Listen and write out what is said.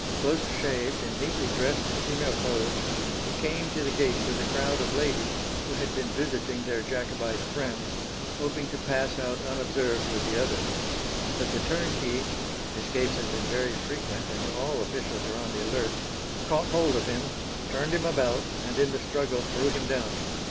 Close shaved and neatly dressed in female clothes, he came to the gate with a crowd of ladies who had been visiting their Jacobite friends, hoping to pass out unobserved with the others. But the turnkey—escapes had been very frequent, and all officials were on the alert—caught hold of him, turned him about, and in the struggle threw him down.